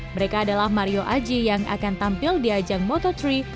mereka adalah mario aji yang akan tampil di ajang moto tiga